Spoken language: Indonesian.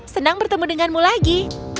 senang bertemu denganmu lagi